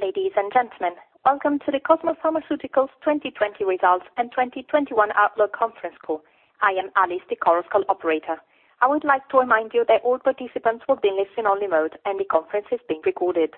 Ladies and gentlemen, welcome to the Cosmo Pharmaceuticals 2020 Results and 2021 Outlook Conference Call. I am Alice, the conference call operator. I would like to remind you that all participants will be in listen-only mode, and the conference is being recorded.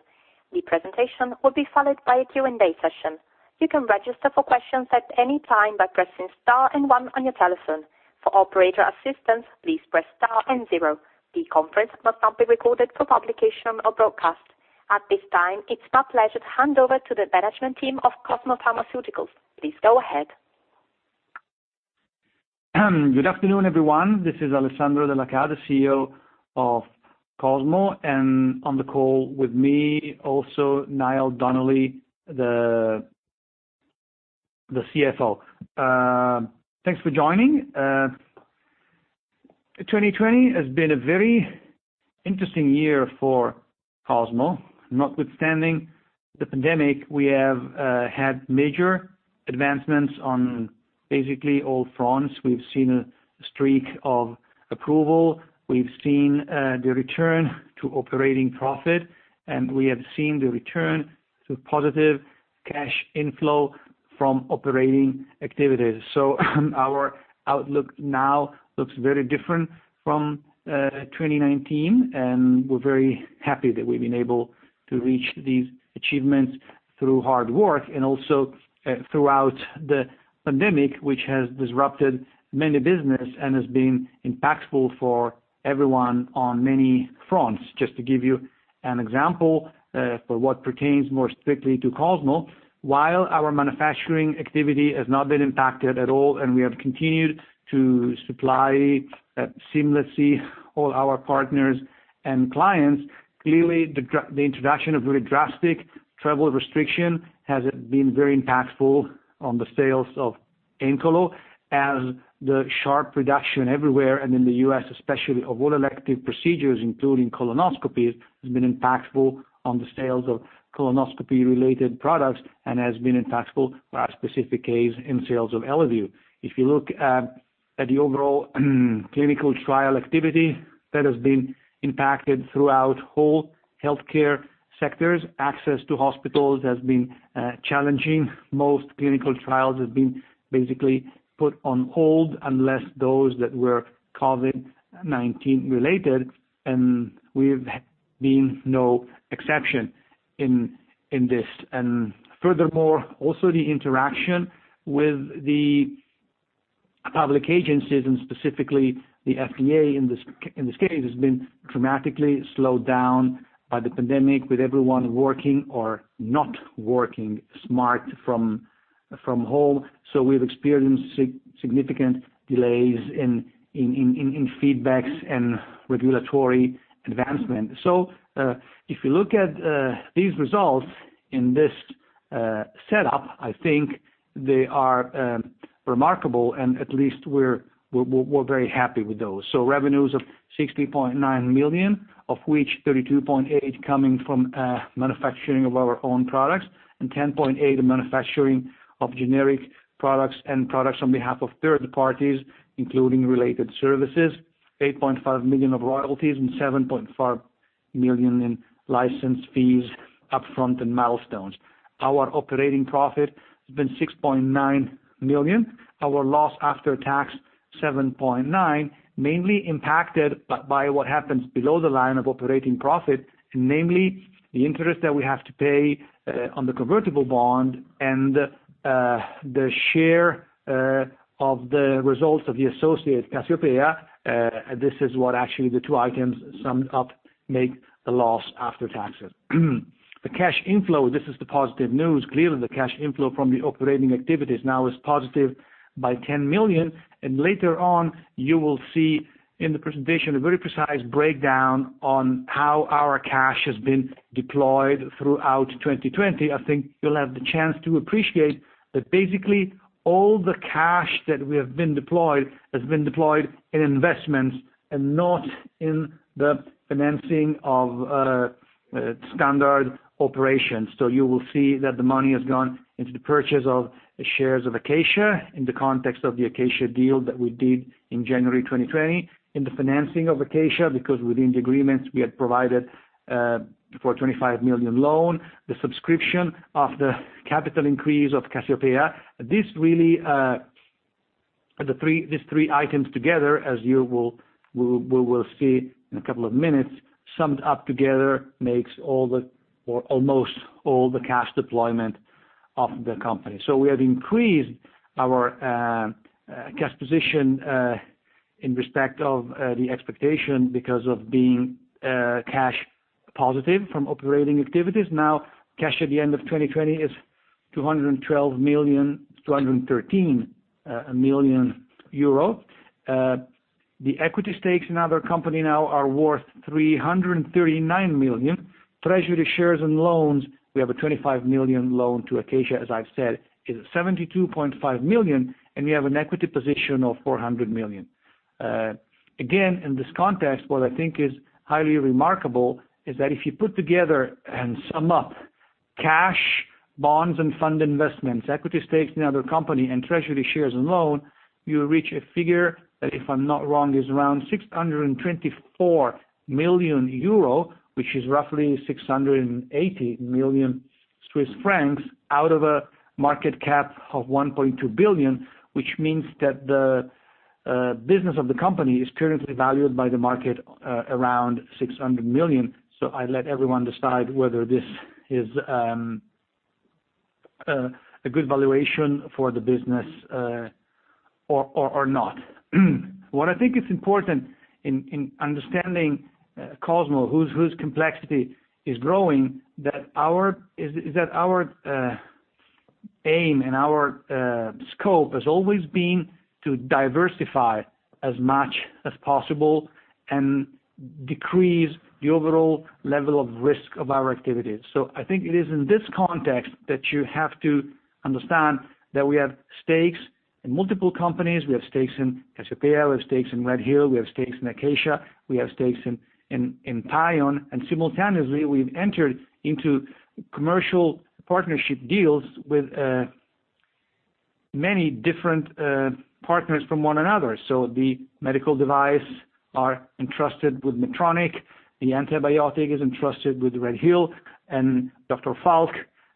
The presentation will be followed by a Q&A session. You can register for questions at any time by pressing star and one on your telephone. For operator assistance, please press star and zero. The conference must not be recorded for publication or broadcast. At this time, it's my pleasure to hand over to the management team of Cosmo Pharmaceuticals. Please go ahead. Good afternoon, everyone. This is Alessandro Della Chà, the CEO of Cosmo, and on the call with me also Niall Donnelly, the CFO. Thanks for joining. 2020 has been a very interesting year for Cosmo. Notwithstanding the pandemic, we have had major advancements on basically all fronts. We've seen a streak of approval. We've seen the return to operating profit, and we have seen the return to positive cash inflow from operating activities. Our outlook now looks very different from 2019, and we're very happy that we've been able to reach these achievements through hard work and also throughout the pandemic, which has disrupted many business and has been impactful for everyone on many fronts. Just to give you an example, for what pertains more strictly to Cosmo, while our manufacturing activity has not been impacted at all, and we have continued to supply seamlessly all our partners and clients, clearly the introduction of really drastic travel restriction has been very impactful on the sales of Aemcolo as the sharp reduction everywhere, and in the U.S. especially, of all elective procedures, including colonoscopies, has been impactful on the sales of colonoscopy-related products and has been impactful for our specific case in sales of Eleview. If you look at the overall clinical trial activity, that has been impacted throughout whole healthcare sectors. Access to hospitals has been challenging. Most clinical trials have been basically put on hold unless those that were COVID-19 related, and we've been no exception in this. Furthermore, also the interaction with the public agencies and specifically the FDA in this case, has been dramatically slowed down by the pandemic, with everyone working or not working smart from home. We've experienced significant delays in feedbacks and regulatory advancement. If you look at these results in this setup, I think they are remarkable and at least we're very happy with those. Revenues of 60.9 million, of which 32.8 coming from manufacturing of our own products and 10.8 in manufacturing of generic products and products on behalf of third parties, including related services, 8.5 million of royalties and 7.5 million in license fees upfront and milestones. Our operating profit has been 6.9 million. Our loss after tax, 7.9, mainly impacted by what happens below the line of operating profit, namely the interest that we have to pay on the convertible bond and the share of the results of the associate, Cassiopea. This is what actually the two items summed up make a loss after taxes. The cash inflow, this is the positive news. Clearly, the cash inflow from the operating activities now is positive by 10 million, and later on you will see in the presentation a very precise breakdown on how our cash has been deployed throughout 2020. I think you'll have the chance to appreciate that basically all the cash that we have been deployed has been deployed in investments and not in the financing of standard operations. You will see that the money has gone into the purchase of shares of Acacia in the context of the Acacia deal that we did in January 2020, in the financing of Acacia, because within the agreements we had provided for a 25 million loan, the subscription of the capital increase of Cassiopea. These three items together, as we will see in a couple of minutes, summed up together, makes all the, or almost all the cash deployment of the company. We have increased our cash position in respect of the expectation because of being cash positive from operating activities. Now cash at the end of 2020 is 212 million, 213 million euro. The equity stakes in other company now are worth 339 million. Treasury shares and loans, we have a 25 million loan to Acacia, as I've said, is 72.5 million, and we have an equity position of 400 million. In this context, what I think is highly remarkable is that if you put together and sum up cash, bonds and fund investments, equity stakes in other company and treasury shares and loan, you reach a figure that, if I'm not wrong, is around 624 million euro, which is roughly 680 million Swiss francs out of a market cap of 1.2 billion, which means that the business of the company is currently valued by the market around 600 million. I let everyone decide whether this is a good valuation for the business or not. What I think is important in understanding Cosmo, whose complexity is growing, is that our aim and our scope has always been to diversify as much as possible and decrease the overall level of risk of our activities. I think it is in this context that you have to understand that we have stakes in multiple companies. We have stakes in Cassiopea. We have stakes in RedHill. We have stakes in Acacia. We have stakes in PAION. Simultaneously, we've entered into commercial partnership deals with many different partners from one another. The medical device are entrusted with Medtronic. The antibiotic is entrusted with RedHill and Dr. Falk.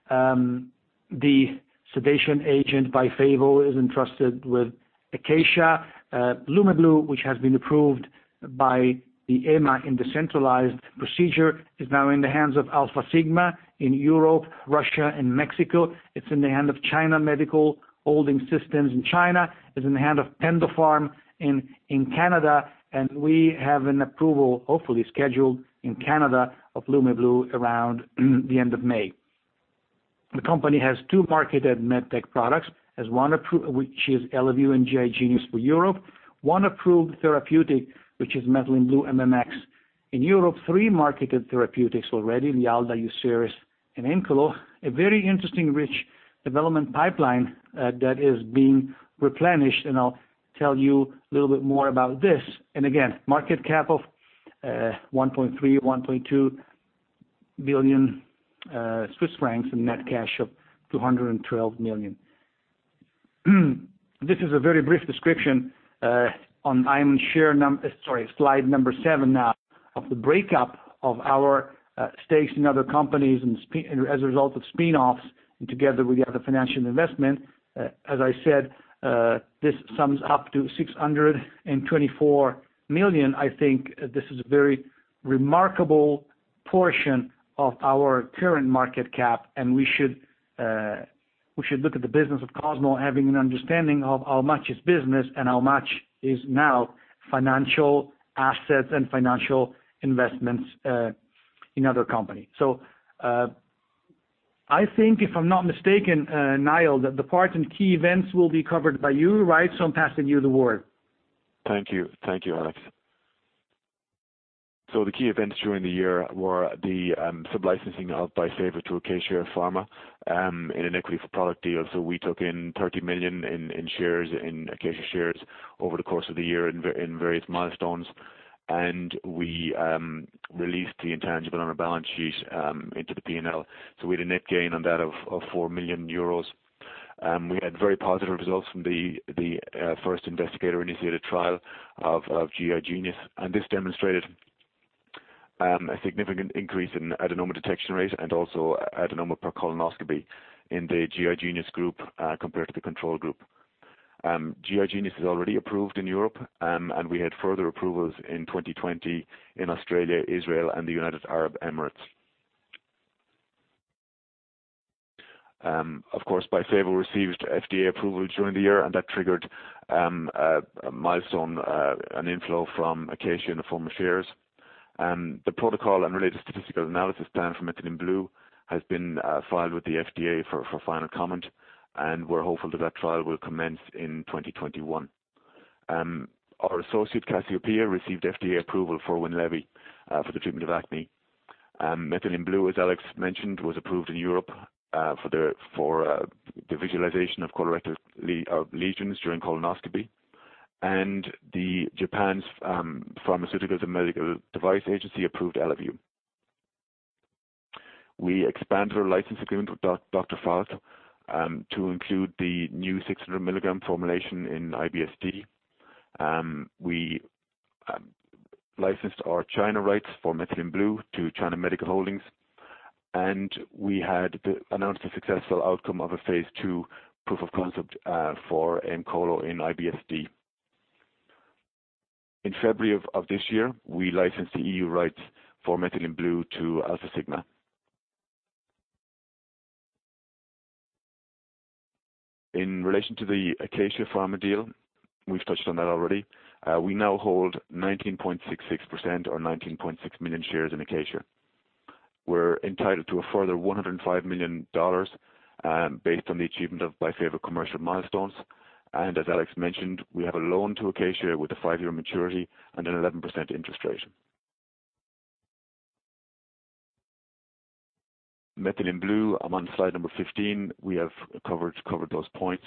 The sedation agent, BYFAVO, is entrusted with Acacia. Lumeblue, which has been approved by the EMA in the centralized procedure, is now in the hands of Alfasigma in Europe, Russia and Mexico. It's in the hand of China Medical System Holdings in China. It's in the hand of PendoPharm in Canada. We have an approval, hopefully scheduled in Canada, of Lumeblue around the end of May. The company has two marketed MedTech products. It has one approved, which is Eleview and GI Genius for Europe. One approved therapeutic, which is methylene blue MMX. In Europe, three marketed therapeutics already, LIALDA, Uceris and Aemcolo. A very interesting, rich development pipeline that is being replenished. I'll tell you a little bit more about this. Again, market cap of 1.3 billion Swiss francs, 1.2 billion Swiss francs and net cash of 212 million. This is a very brief description on slide number seven now of the breakup of our stakes in other companies and as a result of spin-offs and together with the other financial investment. As I said, this sums up to 624 million. I think this is a very remarkable portion of our current market cap, and we should look at the business of Cosmo having an understanding of how much is business and how much is now financial assets and financial investments in other company. I think, if I'm not mistaken, Niall, that the part in key events will be covered by you, right? I'm passing you the word. Thank you. Thank you, Alex. The key events during the year were the sub-licensing of BYFAVO to Acacia Pharma in an equity for product deal. We took in 30 million in Acacia shares over the course of the year in various milestones. We released the intangible on our balance sheet into the P&L. We had a net gain on that of 4 million euros. We had very positive results from the first investigator-initiated trial of GI Genius. This demonstrated a significant increase in adenoma detection rate and also adenoma per colonoscopy in the GI Genius group compared to the control group. GI Genius is already approved in Europe. We had further approvals in 2020 in Australia, Israel and the United Arab Emirates. Of course, BYFAVO received FDA approval during the year. That triggered a milestone, an inflow from Acacia in the form of shares. The protocol and related statistical analysis plan for methylene blue has been filed with the FDA for final comment, and we're hopeful that that trial will commence in 2021. Our associate, Cassiopea, received FDA approval for Winlevi for the treatment of acne. Methylene blue, as Alex mentioned, was approved in Europe for the visualization of colorectal lesions during colonoscopy. The Pharmaceuticals and Medical Devices Agency approved Eleview. We expanded our license agreement with Dr. Falk to include the new 600 mg formulation in IBS-D. We licensed our China rights for methylene blue to China Medical Holdings. We had announced the successful outcome of a phase II proof of concept for Aemcolo in IBS-D. In February of this year, we licensed the E.U. rights for methylene blue to Alfasigma. In relation to the Acacia Pharma deal, we've touched on that already. We now hold 19.66% or 19.6 million shares in Acacia. We're entitled to a further $105 million based on the achievement of BYFAVO commercial milestones. As Alex mentioned, we have a loan to Acacia with a five-year maturity and an 11% interest rate. Methylene blue. I'm on slide number 15. We have covered those points.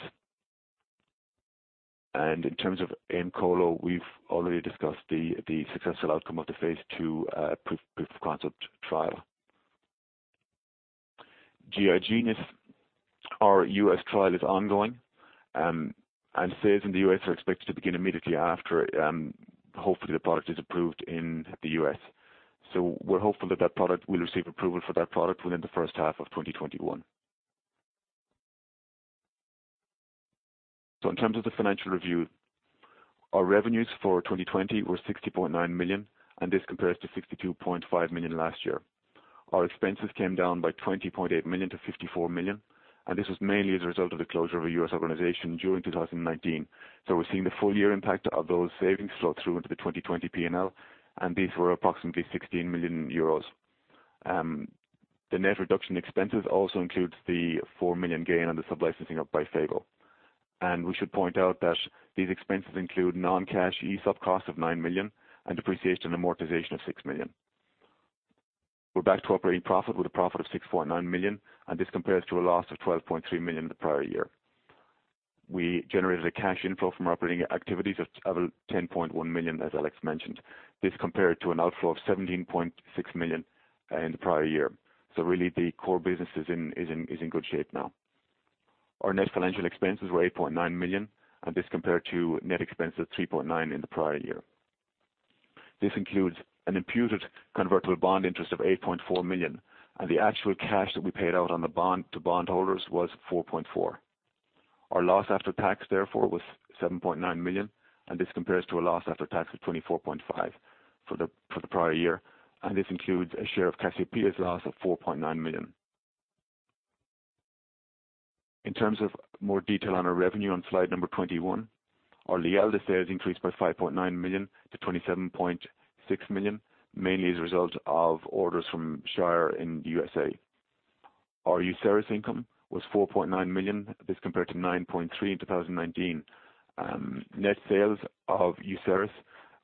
In terms of Aemcolo, we've already discussed the successful outcome of the phase II proof of concept trial. GI Genius, our U.S. trial is ongoing, sales in the U.S. are expected to begin immediately after. Hopefully, the product is approved in the U.S. We're hopeful that that product will receive approval for that product within the first half of 2021. In terms of the financial review, our revenues for 2020 were 60.9 million, this compares to 62.5 million last year. Our expenses came down by 20.8 million to 54 million. This was mainly as a result of the closure of a U.S. organization during 2019. We're seeing the full year impact of those savings flow through into the 2020 P&L, and these were approximately 16 million euros. The net reduction expenses also includes the 4 million gain on the sub licensing of BYFAVO. We should point out that these expenses include non-cash ESOP cost of 9 million and depreciation and amortization of 6 million. We're back to operating profit with a profit of 6.9 million, and this compares to a loss of 12.3 million in the prior year. We generated a cash inflow from operating activities of 10.1 million, as Alex mentioned. This compared to an outflow of 17.6 million in the prior year. Really the core business is in good shape now. Our net financial expenses were 8.9 million, this compared to net expenses 3.9 million in the prior year. This includes an imputed convertible bond interest of 8.4 million, the actual cash that we paid out on the bond to bond holders was 4.4 million. Our loss after tax, therefore was 7.9 million, this compares to a loss after tax of 24.5 million for the prior year. This includes a share of Cassiopea's loss of 4.9 million. In terms of more detail on our revenue on slide number 21, our LIALDA sales increased by 5.9 million to 27.6 million, mainly as a result of orders from Shire in the U.S.A. Our Uceris income was 4.9 million. This compared to 9.3 million in 2019. Net sales of Uceris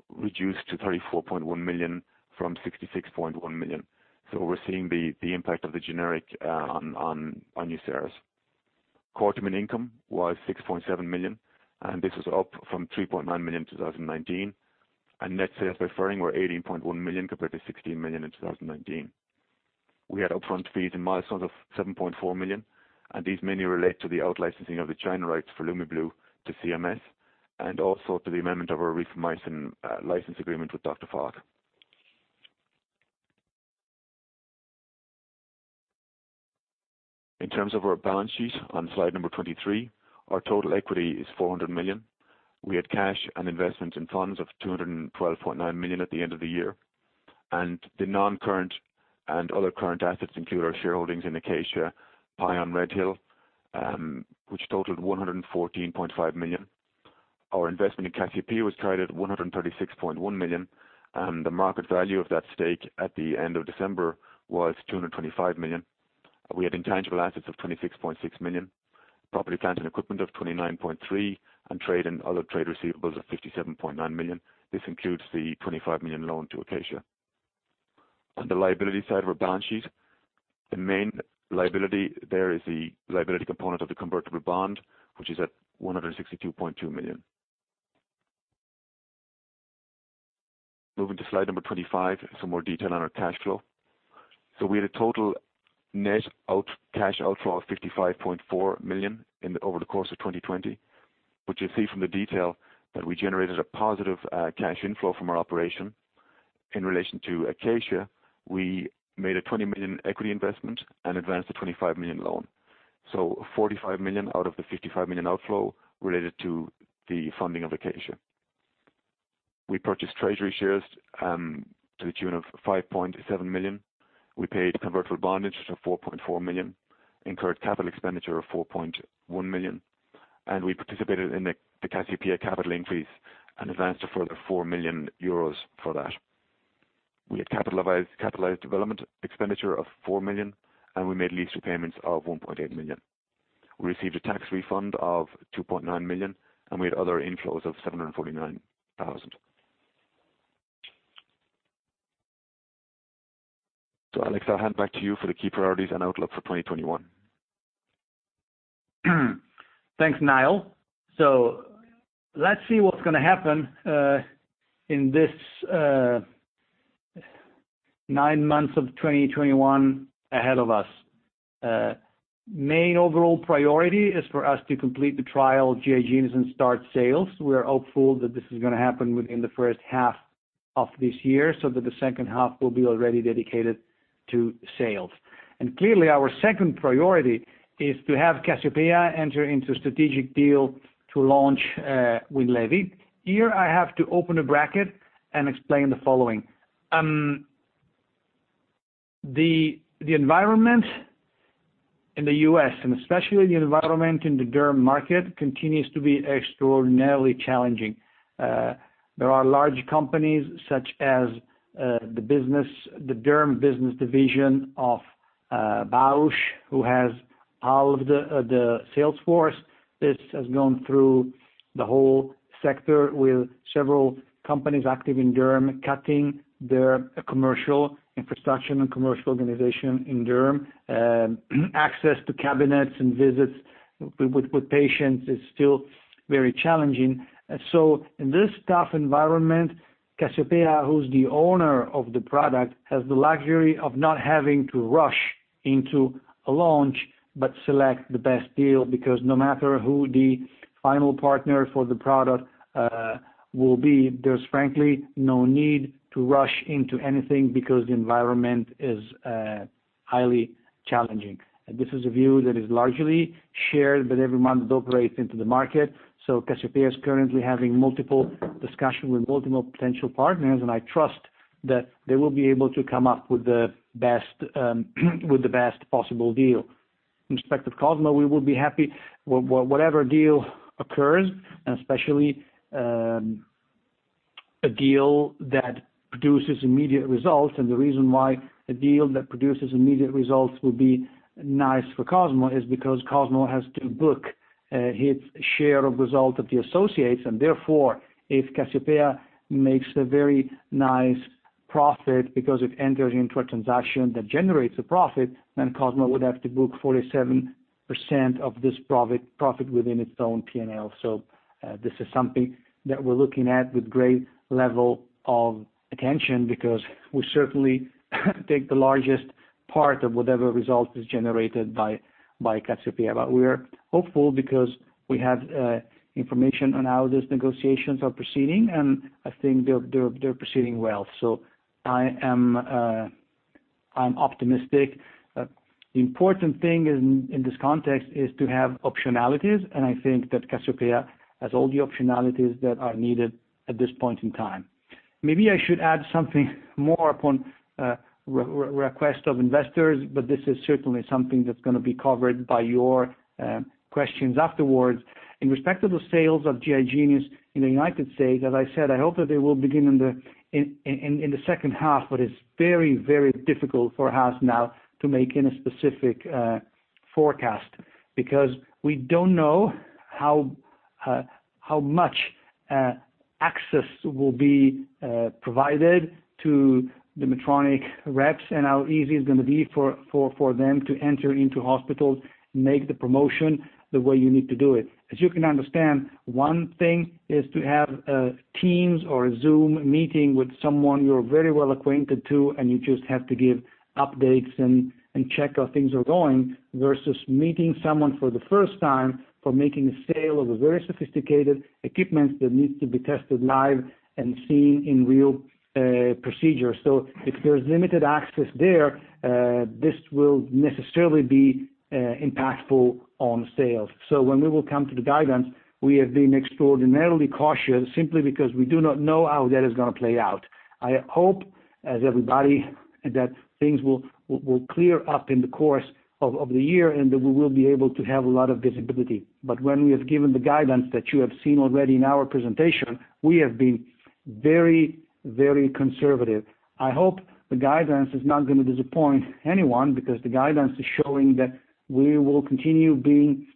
reduced to 34.1 million from 66.1 million. We're seeing the impact of the generic on Uceris. Cortiment income was 6.7 million, this was up from 3.9 million in 2019. Net sales by Ferring were 18.1 million compared to 16 million in 2019. We had upfront fees and milestones of 7.4 million, these mainly relate to the out licensing of the China rights for Lumeblue to CMS, and also to the amendment of our rifamycin license agreement with Dr. Falk. In terms of our balance sheet on slide number 23, our total equity is 400 million. We had cash and investments in funds of 212.9 million at the end of the year. The non-current and other current assets include our shareholdings in Acacia, PAION, RedHill, which totaled 114.5 million. Our investment in Cassiopea was traded at 136.1 million, the market value of that stake at the end of December was 225 million. We had intangible assets of 26.6 million, property, plant, and equipment of 29.3 million, and trade and other trade receivables of 57.9 million. This includes the 25 million loan to Acacia. On the liability side of our balance sheet, the main liability there is the liability component of the convertible bond, which is at 162.2 million. Moving to slide number 25, some more detail on our cash flow. We had a total net cash outflow of 55.4 million over the course of 2020, which you see from the detail that we generated a positive cash inflow from our operation. In relation to Acacia, we made a 20 million equity investment and advanced a 25 million loan. 45 million out of the 55 million outflow related to the funding of Acacia. We purchased treasury shares, to the tune of 5.7 million. We paid convertible bond interest of 4.4 million, incurred capital expenditure of 4.1 million, we participated in the Cassiopea capital increase and advanced a further 4 million euros for that. We had capitalized development expenditure of 4 million, we made lease repayments of 1.8 million. We received a tax refund of 2.9 million, we had other inflows of 749,000. Alex, I'll hand back to you for the key priorities and outlook for 2021. Thanks, Niall. Let's see what's going to happen in this nine months of 2021 ahead of us. Main overall priority is for us to complete the trial of GI Genius and start sales. We are hopeful that this is going to happen within the first half of this year so that the second half will be already dedicated to sales. Clearly, our second priority is to have Cassiopea enter into a strategic deal to launch Winlevi. Here, I have to open a bracket and explain the following. The environment in the U.S., and especially the environment in the derm market, continues to be extraordinarily challenging. There are large companies such as the derm business division of Bausch, who has all of the sales force. This has gone through the whole sector with several companies active in derm cutting their commercial infrastructure and commercial organization in derm. Access to cabinets and visits with patients is still very challenging. In this tough environment, Cassiopea, who's the owner of the product, has the luxury of not having to rush into a launch, but select the best deal, because no matter who the final partner for the product will be, there's frankly no need to rush into anything because the environment is highly challenging. This is a view that is largely shared by [every month it] operates into the market. Cassiopea is currently having multiple discussions with multiple potential partners, and I trust that they will be able to come up with the best possible deal. In respect of Cosmo, we will be happy, whatever deal occurs, and especially a deal that produces immediate results. The reason why a deal that produces immediate results will be nice for Cosmo is because Cosmo has to book its share of result of the associates. If Cassiopea makes a very nice profit because it enters into a transaction that generates a profit, then Cosmo would have to book 47% of this profit within its own P&L. This is something that we're looking at with great level of attention because we certainly take the largest part of whatever result is generated by Cassiopea. We are hopeful because we have information on how these negotiations are proceeding, and I think they're proceeding well. I'm optimistic. The important thing in this context is to have optionalities, and I think that Cassiopea has all the optionality that are needed at this point in time. Maybe I should add something more upon request of investors, but this is certainly something that's going to be covered by your questions afterwards. In respect to the sales of GI Genius in the United States, as I said, I hope that they will begin in the second half, but it's very difficult for us now to make any specific forecast. We don't know how much access will be provided to the Medtronic reps and how easy it's going to be for them to enter into hospitals, make the promotion the way you need to do it. As you can understand, one thing is to have Teams or a Zoom meeting with someone you're very well acquainted to, and you just have to give updates and check how things are going versus meeting someone for the first time for making a sale of a very sophisticated equipment that needs to be tested live and seen in real procedure. If there's limited access there, this will necessarily be impactful on sales. When we will come to the guidance, we have been extraordinarily cautious simply because we do not know how that is going to play out. I hope, as everybody, that things will clear up in the course of the year and that we will be able to have a lot of visibility. When we have given the guidance that you have seen already in our presentation, we have been very conservative. I hope the guidance is not going to disappoint anyone because the guidance is showing that we will continue being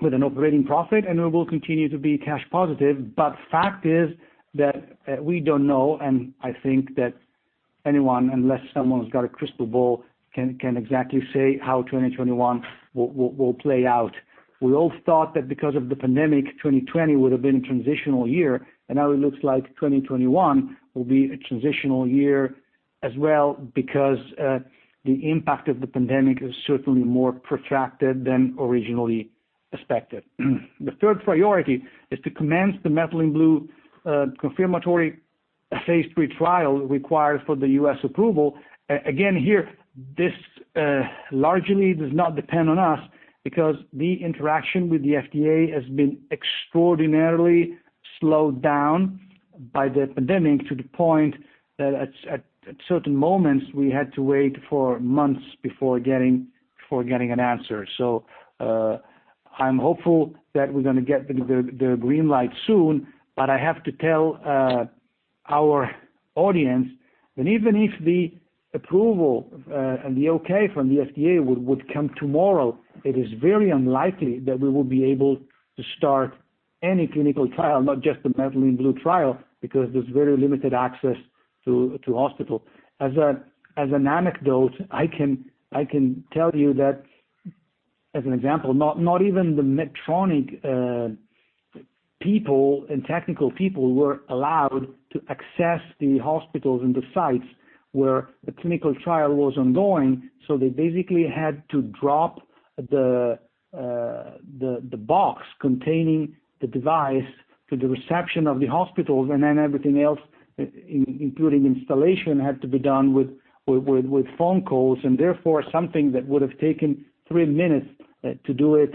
with an operating profit and we will continue to be cash positive. Fact is that we don't know, and I think that anyone, unless someone's got a crystal ball, can exactly say how 2021 will play out. We all thought that because of the pandemic, 2020 would've been a transitional year, and now it looks like 2021 will be a transitional year as well because the impact of the pandemic is certainly more protracted than originally expected. The third priority is to commence the methylene blue confirmatory phase III trial required for the U.S. approval. Here, this largely does not depend on us because the interaction with the FDA has been extraordinarily slowed down by the pandemic to the point that at certain moments, we had to wait for months before getting an answer. I'm hopeful that we're going to get the green light soon, but I have to tell our audience that even if the approval and the okay from the FDA would come tomorrow, it is very unlikely that we will be able to start any clinical trial, not just the methylene blue trial, because there's very limited access to hospital. As an anecdote, I can tell you that, as an example, not even the Medtronic people and technical people were allowed to access the hospitals and the sites where the clinical trial was ongoing. They basically had to drop the box containing the device to the reception of the hospitals, and then everything else, including installation, had to be done with phone calls. Therefore, something that would've taken three minutes to do it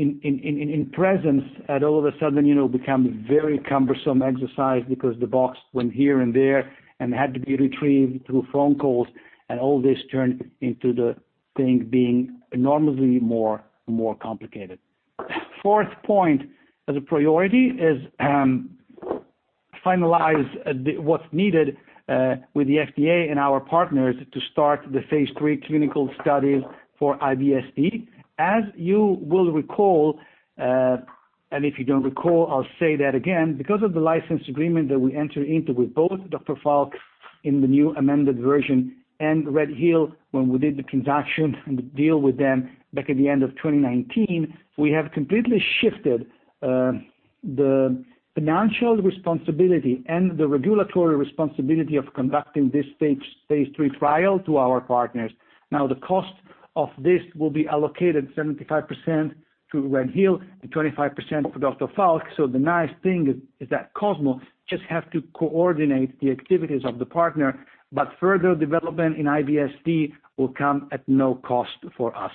in presence had all of a sudden become very cumbersome exercise because the box went here and there and had to be retrieved through phone calls, and all this turned into the thing being enormously more complicated. Fourth point as a priority is: Finalize what's needed with the FDA and our partners to start the phase III clinical studies for IBS-D. As you will recall, and if you don't recall, I'll say that again, because of the license agreement that we entered into with both Dr. Falk in the new amended version and RedHill when we did the transaction and the deal with them back at the end of 2019, we have completely shifted the financial responsibility and the regulatory responsibility of conducting this phase III trial to our partners. The cost of this will be allocated 75% to RedHill and 25% for Dr. Falk. The nice thing is that Cosmo just have to coordinate the activities of the partner. Further development in IBS-D will come at no cost for us.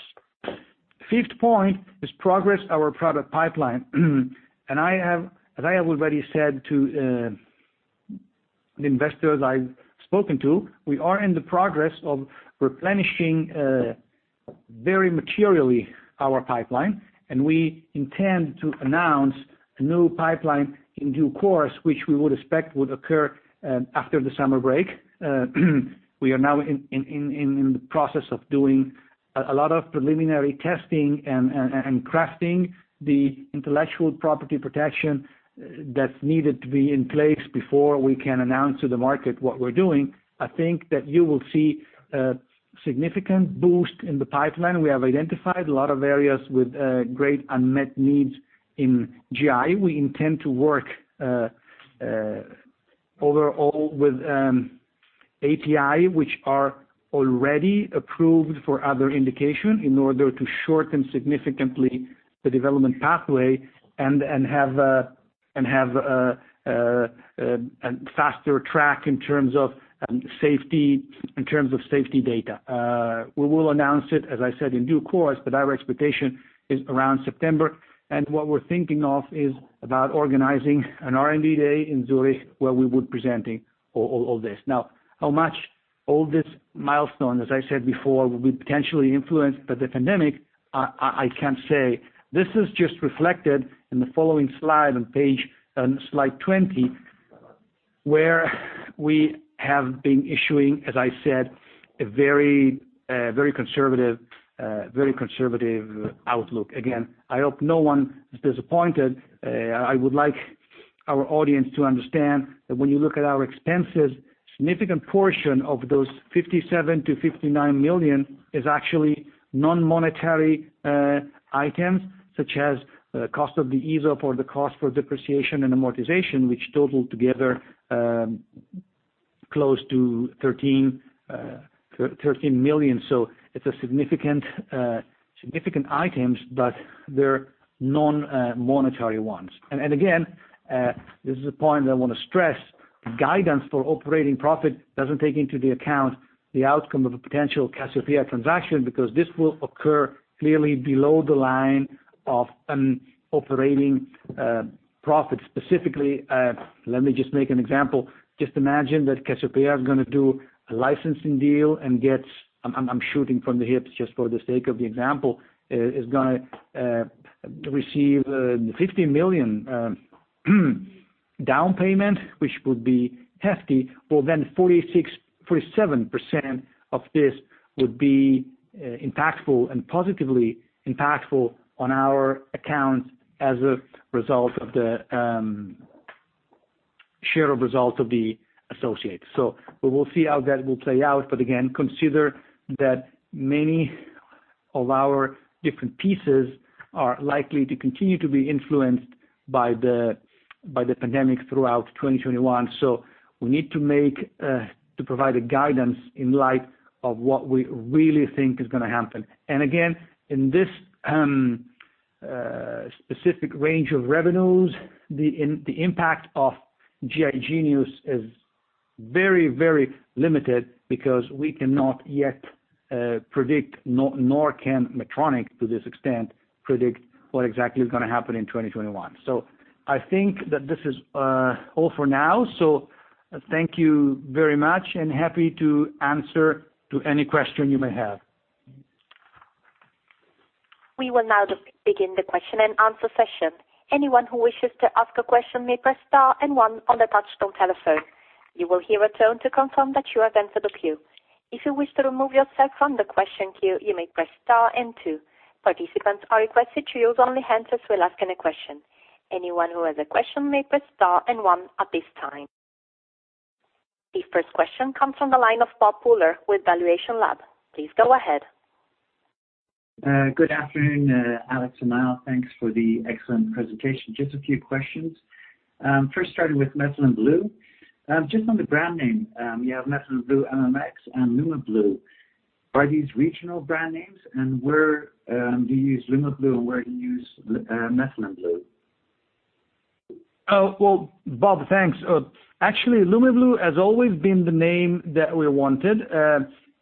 Fifth point is progress our product pipeline. As I have already said to the investors I've spoken to, we are in the progress of replenishing very materially our pipeline, and we intend to announce a new pipeline in due course, which we would expect would occur after the summer break. We are now in the process of doing a lot of preliminary testing and crafting the intellectual property protection that's needed to be in place before we can announce to the market what we're doing. I think that you will see a significant boost in the pipeline. We have identified a lot of areas with great unmet needs in GI. We intend to work overall with API, which are already approved for other indication in order to shorten significantly the development pathway and have a faster track in terms of safety data. We will announce it, as I said, in due course, but our expectation is around September. What we're thinking of is about organizing an R&D day in Zurich where we would presenting all this. How much all this milestone, as I said before, will be potentially influenced by the pandemic, I can't say. This is just reflected in the following slide 20, where we have been issuing, as I said, a very conservative outlook. I hope no one is disappointed. I would like our audience to understand that when you look at our expenses, significant portion of those 57 million-59 million is actually non-monetary items, such as cost of the ESOP or the cost for depreciation and amortization, which total together close to 13 million. It's a significant item, but they're non-monetary ones. Again, this is a point that I want to stress, guidance for operating profit doesn't take into account the outcome of a potential Cassiopea transaction, because this will occur clearly below the line of operating profit. Specifically, let me just make an example. Just imagine that Cassiopea is going to do a licensing deal and gets, I'm shooting from the hips just for the sake of the example, is going to receive 50 million down payment, which would be hefty. 47% of this would be positively impactful on our accounts as a result of the share of results of the associate. We will see how that will play out. Again, consider that many of our different pieces are likely to continue to be influenced by the pandemic throughout 2021. We need to provide a guidance in light of what we really think is going to happen. Again, in this specific range of revenues, the impact of GI Genius is very limited because we cannot yet predict, nor can Medtronic to this extent, predict what exactly is going to happen in 2021. I think that this is all for now. Thank you very much and happy to answer to any question you may have. We will now begin the question and answer session. Anyone who wishes to ask a question may press star and one on the touchtone telephone. You will hear a tone to confirm that you have entered the queue. If you wish to remove yourself from the question queue, you may press star and two. Participants are requested to use only hands as we're asking a question. Anyone who has a question may press star and one at this time. The first question comes from the line of Bob Pooler with valuationLab. Please go ahead. Good afternoon, Alessandro and Niall. Thanks for the excellent presentation. Just a few questions. First starting with methylene blue. Just on the brand name, you have methylene blue MMX and Lumeblue. Are these regional brand names and where do you use Lumeblue and where do you use methylene blue? Well, Bob, thanks. Actually, Lumeblue has always been the name that we wanted.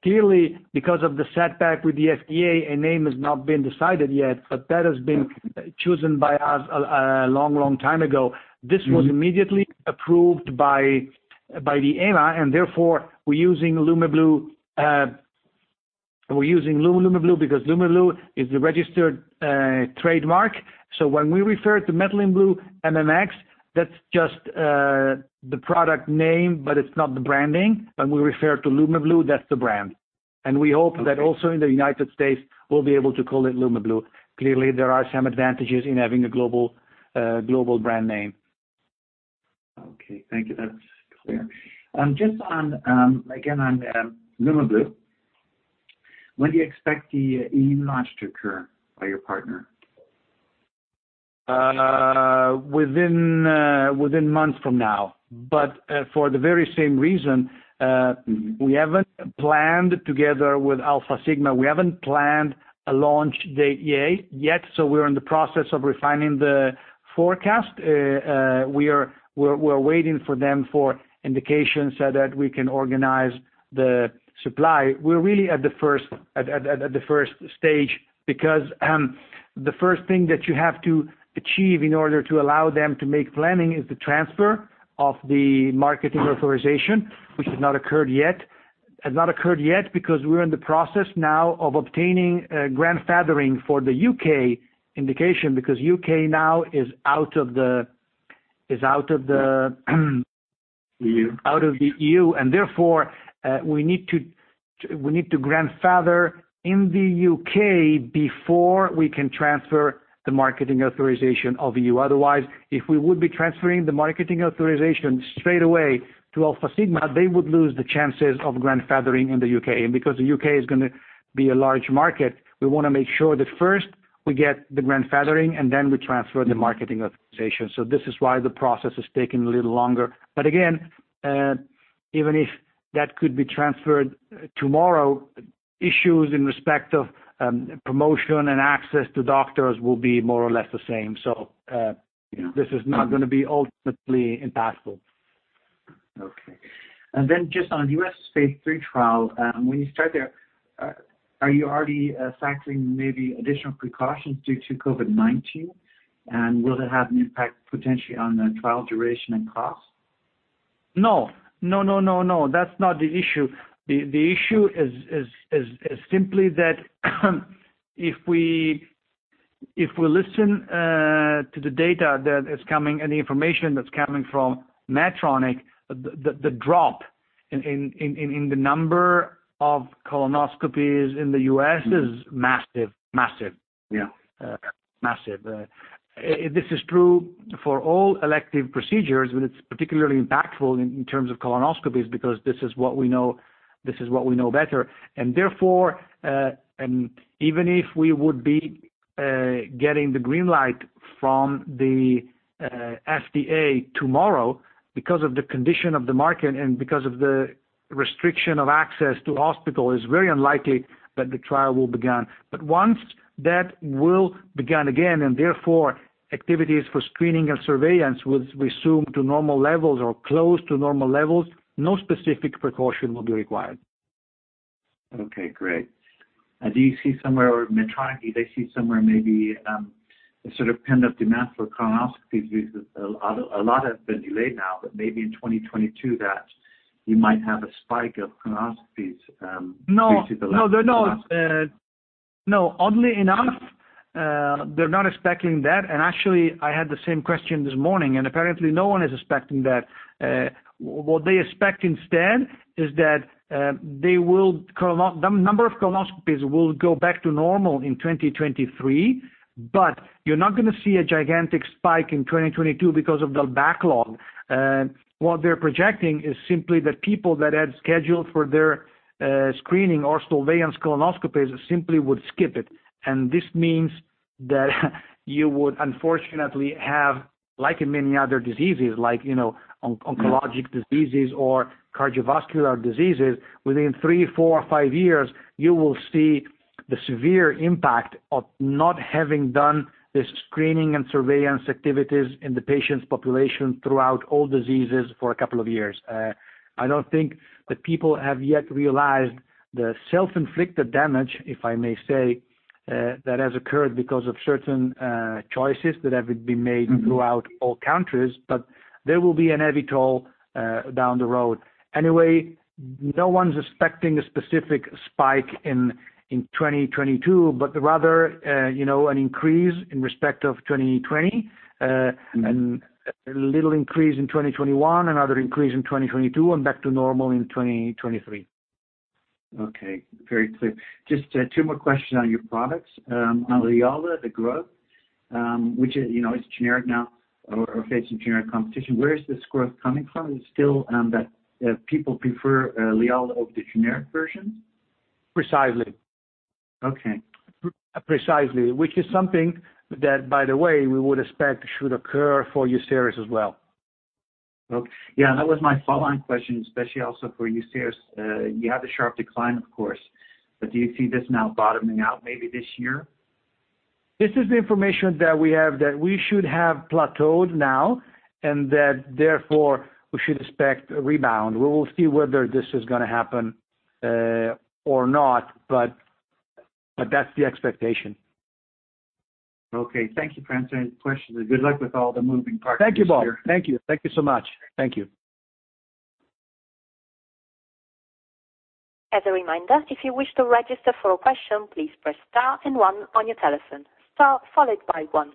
Clearly, because of the setback with the FDA, a name has not been decided yet, but that has been chosen by us a long time ago. This was immediately approved by the EMA. We're using Lumeblue because Lumeblue is the registered trademark. When we refer to methylene blue MMX, that's just the product name, but it's not the branding. When we refer to Lumeblue, that's the brand. Okay. We hope that also in the United States, we'll be able to call it Lumeblue. Clearly, there are some advantages in having a global brand name. Okay. Thank you. That's clear. Just again, on Lumeblue, when do you expect the E.U. launch to occur by your partner? Within months from now, but for the very same reason, we haven't planned together with Alfasigma. We haven't planned a launch date yet, so we're in the process of refining the forecast. We're waiting for them for indications so that we can organize the supply. We're really at the first stage because the first thing that you have to achieve in order to allow them to make planning is the transfer of the marketing authorization, which has not occurred yet, because we're in the process now of obtaining grandfathering for the U.K. indication because U.K. now is out of the- E.U. out of the E.U. Therefore, we need to grandfather in the U.K. before we can transfer the marketing authorization of E.U. Otherwise, if we would be transferring the marketing authorization straight away to Alfasigma, they would lose the chances of grandfathering in the U.K. Because the U.K. is going to be a large market, we want to make sure that first we get the grandfathering, and then we transfer the marketing authorization. This is why the process is taking a little longer. Again, even if that could be transferred tomorrow, issues in respect of promotion and access to doctors will be more or less the same. Yeah. This is not going to be ultimately impactful. Okay. Just on U.S. phase III trial, when you start there, are you already factoring maybe additional precautions due to COVID-19? Will it have an impact potentially on the trial duration and cost? No. That's not the issue. The issue is simply that if we listen to the data that is coming and the information that's coming from Medtronic, the drop in the number of colonoscopies in the U.S. is massive. Yeah. Massive. This is true for all elective procedures, but it's particularly impactful in terms of colonoscopies because this is what we know better. Therefore, even if we would be getting the green light from the FDA tomorrow, because of the condition of the market and because of the restriction of access to hospital, it's very unlikely that the trial will begin. Once that will begin again, and therefore activities for screening and surveillance will resume to normal levels or close to normal levels, no specific precaution will be required. Okay, great. Do you see somewhere or Medtronic, do they see somewhere maybe a sort of pent-up demand for colonoscopies because a lot have been delayed now, but maybe in 2022 that you might have a spike of colonoscopies? No. Due to the last- No. Oddly enough, they're not expecting that. Actually, I had the same question this morning, and apparently, no one is expecting that. What they expect instead is that the number of colonoscopies will go back to normal in 2023, but you're not going to see a gigantic spike in 2022 because of the backlog. What they're projecting is simply that people that had scheduled for their screening or surveillance colonoscopies simply would skip it. This means that you would unfortunately have, like in many other diseases like oncologic diseases or cardiovascular diseases, within three, four or five years, you will see the severe impact of not having done the screening and surveillance activities in the patient's population throughout all diseases for a couple of years. I don't think the people have yet realized the self-inflicted damage, if I may say, that has occurred because of certain choices that have been made throughout all countries, but there will be a heavy toll down the road. Anyway, no one's expecting a specific spike in 2022, but rather, an increase in respect of 2020. A little increase in 2021, another increase in 2022, and back to normal in 2023. Okay. Very clear. Just two more questions on your products. On LIALDA, the growth, which is generic now or facing generic competition, where is this growth coming from? It's still that people prefer LIALDA over the generic version? Precisely. Okay. Precisely. Which is something that, by the way, we would expect should occur for Uceris as well. Okay. Yeah, that was my follow-on question, especially also for Uceris. You have a sharp decline, of course. Do you see this now bottoming out maybe this year? This is the information that we have, that we should have plateaued now, and that therefore, we should expect a rebound. We will see whether this is going to happen or not, but that's the expectation. Okay. Thank you, [Francesco], for the question. Good luck with all the moving parts this year. Thank you, Bob. Thank you so much. Thank you. As a reminder, if you wish to register for a question, please press star and one on your telephone. Star followed by one.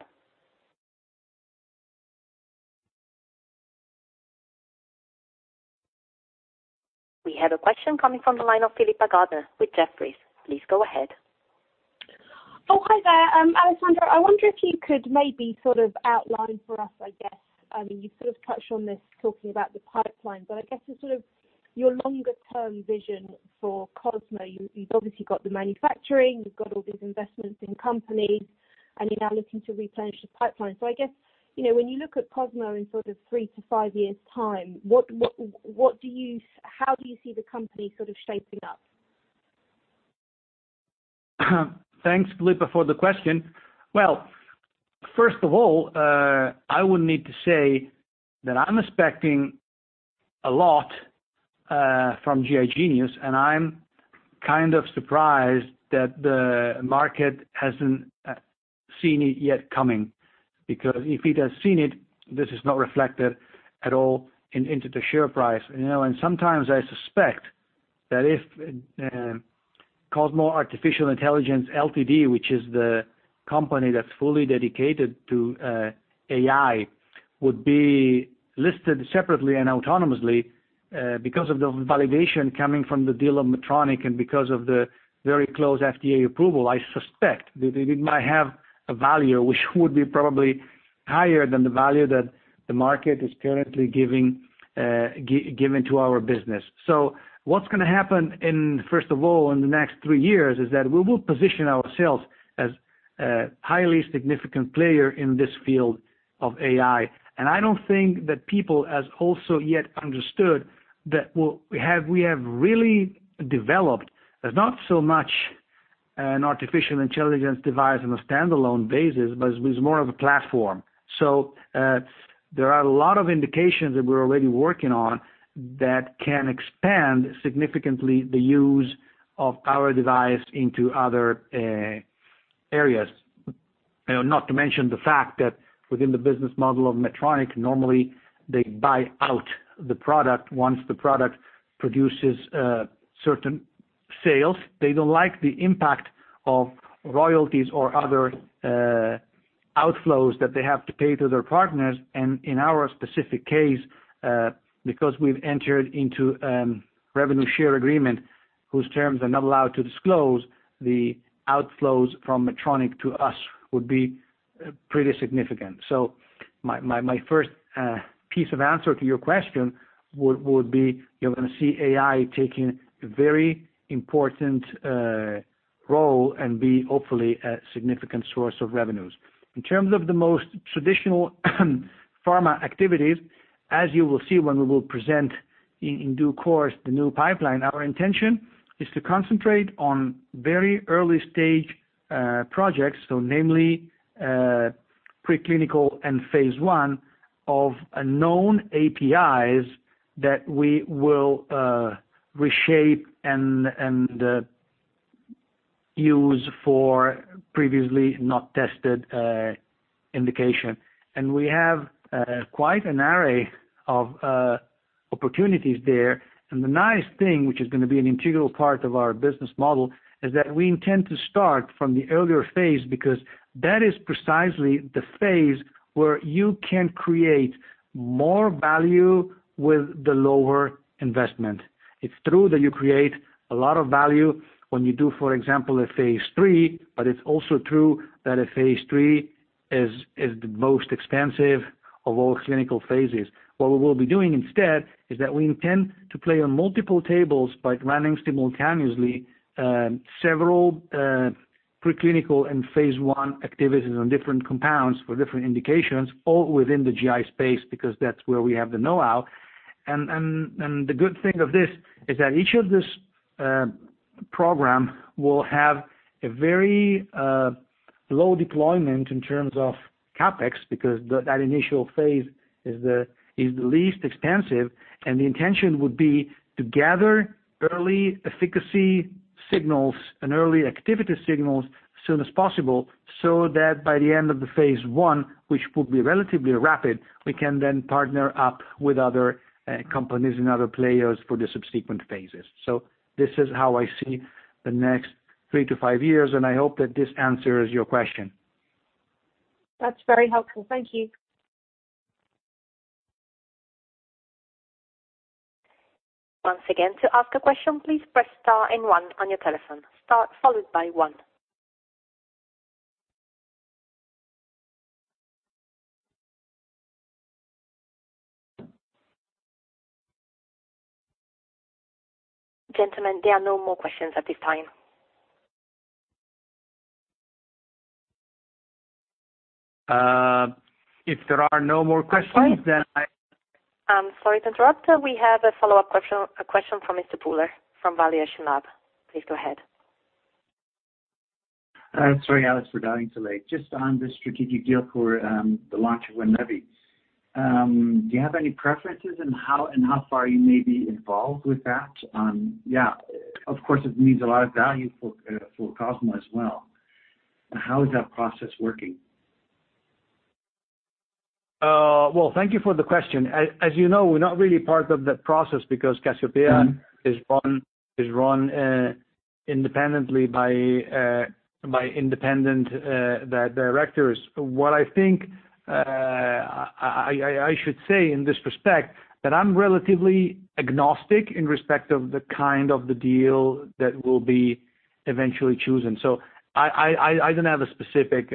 We have a question coming from the line of Philippa Gardner with Jefferies. Please go ahead. Oh, hi there. Alessandro, I wonder if you could maybe sort of outline for us, I guess, you sort of touched on this talking about the pipeline, but I guess sort of your longer-term vision for Cosmo. You've obviously got the manufacturing, you've got all these investments in companies, and you're now looking to replenish the pipeline. I guess, when you look at Cosmo in sort of three to five years' time, how do you see the company sort of shaping up? Thanks, Philippa, for the question. Well, first of all, I would need to say that I'm expecting a lot from GI Genius, and I'm kind of surprised that the market hasn't seen it yet coming, because if it has seen it, this is not reflected at all into the share price. Sometimes I suspect that if Cosmo Artificial Intelligence Ltd., which is the company that's fully dedicated to AI, would be listed separately and autonomously, because of the validation coming from the deal of Medtronic and because of the very close FDA approval, I suspect that it might have a value which would be probably higher than the value that the market is currently giving to our business. What's going to happen, first of all, in the next three years, is that we will position ourselves as a highly significant player in this field of AI. I don't think that people as also yet understood that we have really developed, not so much an artificial intelligence device on a standalone basis, but as more of a platform. There are a lot of indications that we're already working on that can expand significantly the use of our device into other areas. Not to mention the fact that within the business model of Medtronic, normally they buy out the product once the product produces certain sales. They don't like the impact of royalties or other outflows that they have to pay to their partners. In our specific case, because we've entered into a revenue share agreement whose terms are not allowed to disclose, the outflows from Medtronic to us would be pretty significant. My first piece of answer to your question would be, you're going to see AI taking a very important role and be hopefully a significant source of revenues. In terms of the most traditional pharma activities, as you will see when we will present in due course the new pipeline, our intention is to concentrate on very early-stage projects. Namely, preclinical and phase I of known APIs that we will reshape and use for previously not tested indication. We have quite an array of opportunities there. The nice thing, which is going to be an integral part of our business model, is that we intend to start from the earlier phase, because that is precisely the phase where you can create more value with the lower investment. It's true that you create a lot of value when you do, for example, a phase III, but it's also true that a phase III is the most expensive of all clinical phases. What we will be doing instead is that we intend to play on multiple tables by running simultaneously several preclinical and phase I activities on different compounds for different indications, all within the GI space, because that's where we have the know-how. The good thing of this is that each of these programs will have a very low deployment in terms of CapEx, because that initial phase is the least expensive, and the intention would be to gather early efficacy signals and early activity signals as soon as possible, so that by the end of the phase I, which would be relatively rapid, we can then partner up with other companies and other players for the subsequent phases. This is how I see the next three to five years, and I hope that this answers your question. That's very helpful. Thank you. Once again, to ask a question, please press star and one on your telephone. Star followed by one. Gentlemen, there are no more questions at this time. If there are no more questions. I'm sorry to interrupt. We have a follow-up question from Mr. Pooler from valuationLab. Please go ahead. Sorry, Alex, for dialing so late. Just on the strategic deal for the launch of Winlevi. Do you have any preferences in how far you may be involved with that? Of course, it means a lot of value for Cosmo as well. How is that process working? Well, thank you for the question. As you know, we're not really part of that process because Cassiopea is run independently by independent directors. What I think I should say in this respect, that I'm relatively agnostic in respect of the kind of the deal that will be eventually chosen. I don't have a specific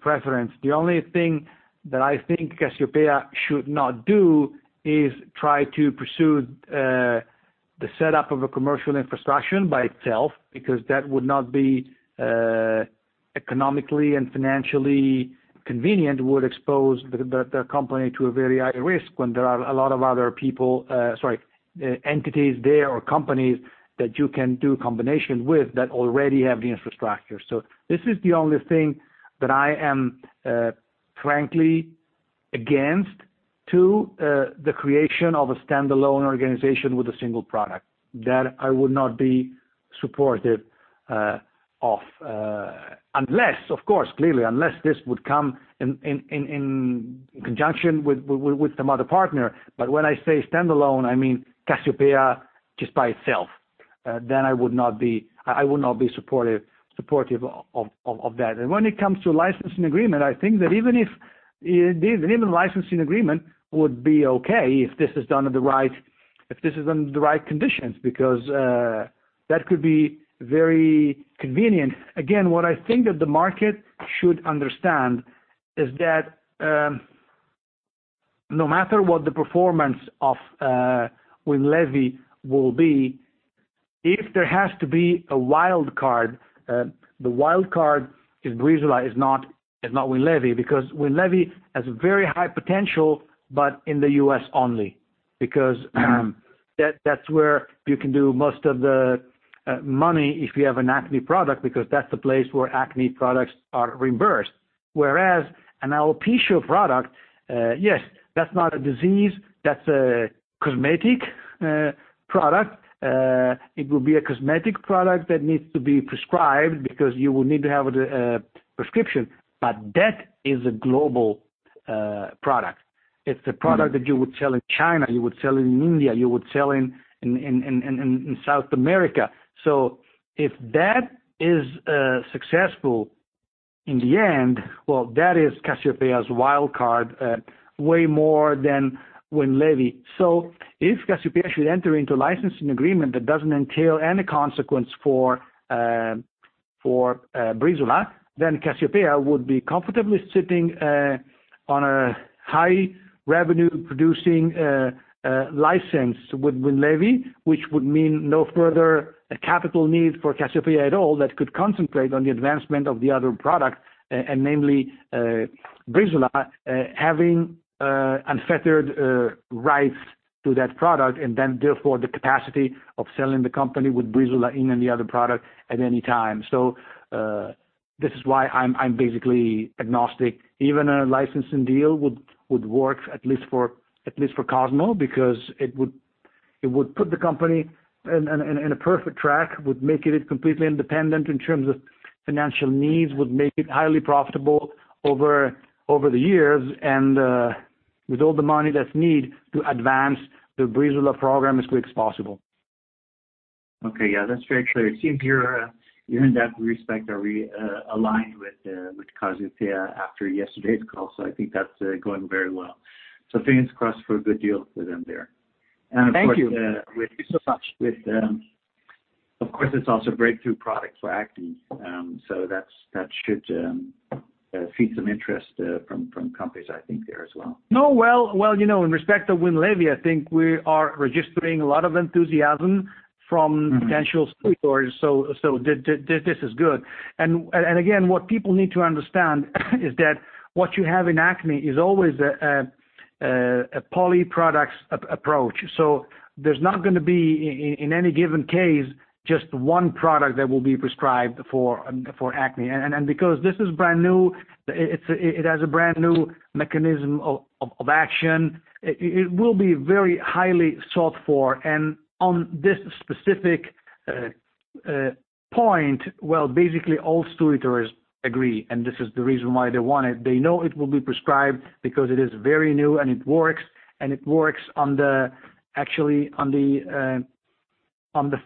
preference. The only thing that I think Cassiopea should not do is try to pursue the setup of a commercial infrastructure by itself, because that would not be economically and financially convenient, would expose the company to a very high risk when there are a lot of other entities there, or companies that you can do combination with that already have the infrastructure. This is the only thing that I am frankly against, to the creation of a standalone organization with a single product. That I would not be supportive of. Unless, of course, this would come in conjunction with some other partner. When I say standalone, I mean Cassiopea just by itself. I would not be supportive of that. When it comes to licensing agreement, I think that even the licensing agreement would be okay if this is done under the right conditions, because that could be very convenient. Again, what I think that the market should understand is that, no matter what the performance of Winlevi will be, if there has to be a wild card, the wild card is Breezula, is not Winlevi. Winlevi has very high potential, but in the U.S. only. That's where you can do most of the money if you have an acne product, because that's the place where acne products are reimbursed. Whereas an alopecia product, yes, that's not a disease, that's a cosmetic product. It will be a cosmetic product that needs to be prescribed because you will need to have a prescription. That is a global product. It's the product that you would sell in China, you would sell it in India, you would sell in South America. If that is successful in the end, well, that is Cassiopea's wild card, way more than Winlevi. If Cassiopea should enter into licensing agreement that doesn't entail any consequence for Breezula, then Cassiopea would be comfortably sitting on a high revenue-producing license with Winlevi, which would mean no further capital need for Cassiopea at all, that could concentrate on the advancement of the other product. And namely Breezula having unfettered rights to that product, and then therefore the capacity of selling the company with Breezula in any other product at any time. This is why I'm basically agnostic. Even a licensing deal would work, at least for Cosmo, because it would put the company in a perfect track, would make it completely independent in terms of financial needs, would make it highly profitable over the years, and with all the money that's needed to advance the Breezula program as quick as possible. Okay. Yeah, that's very clear. It seems you're in that respect, are aligned with Cassiopea after yesterday's call. I think that's going very well. Fingers crossed for a good deal for them there. Thank you. Thank you so much. Of course, it's also a breakthrough product for acne. That should feed some interest from companies I think there as well. No. Well, in respect to Winlevi, I think we are registering a lot of enthusiasm from potential suitors. This is good. Again, what people need to understand is that what you have in acne is always a polyproducts approach. There's not going to be, in any given case, just one product that will be prescribed for acne. Because this is brand new, it has a brand new mechanism of action, it will be very highly sought for. On this specific point, well, basically all suitors agree, and this is the reason why they want it. They know it will be prescribed because it is very new and it works, and it works actually on the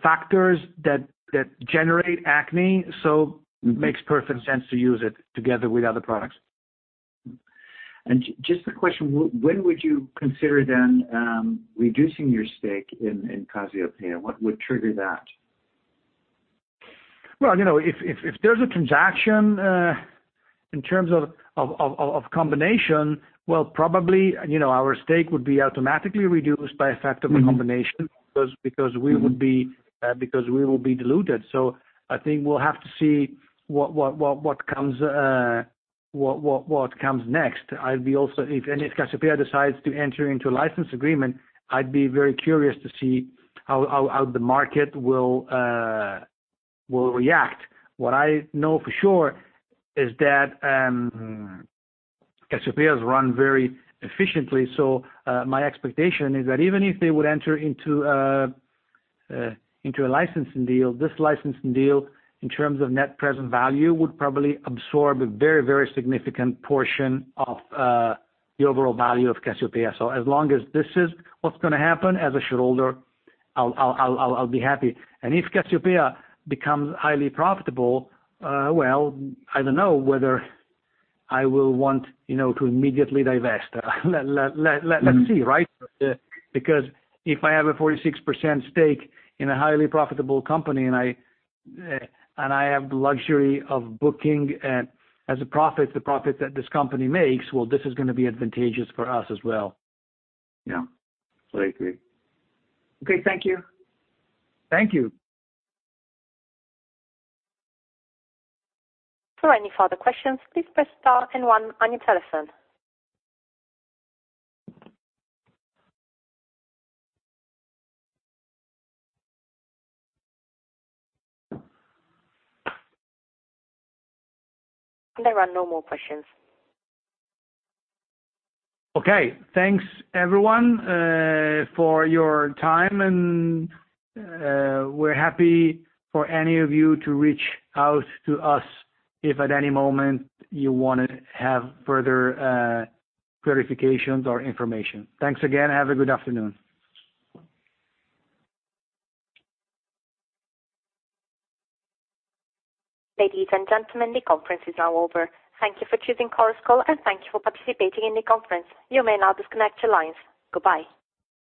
factors that generate acne. Makes perfect sense to use it together with other products. Just a question, when would you consider then reducing your stake in Cassiopea? What would trigger that? If there's a transaction in terms of combination, well, probably our stake would be automatically reduced by effect of a combination because we will be diluted. I think we'll have to see what comes next. If Cassiopea decides to enter into a license agreement, I'd be very curious to see how the market will react. What I know for sure is that Cassiopea is run very efficiently. My expectation is that even if they would enter into a licensing deal, this licensing deal, in terms of net present value, would probably absorb a very, very significant portion of the overall value of Cassiopea. As long as this is what's going to happen, as a shareholder, I'll be happy. If Cassiopea becomes highly profitable, well, I don't know whether I will want to immediately divest. Let's see, right? If I have a 46% stake in a highly profitable company, and I have the luxury of booking, as a profit, the profit that this company makes, well, this is going to be advantageous for us as well. Yeah. I agree. Okay. Thank you. Thank you. For any further questions, please press star and one on your telephone. There are no more questions. Okay. Thanks everyone for your time. We're happy for any of you to reach out to us if at any moment you want to have further clarifications or information. Thanks again. Have a good afternoon. Ladies and gentlemen, the conference is now over. Thank you for choosing Chorus Call, and thank you for participating in the conference. You may now disconnect your lines. Goodbye.